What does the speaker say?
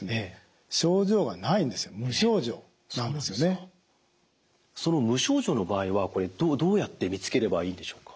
ところがその無症状の場合はこれどうやって見つければいいんでしょうか？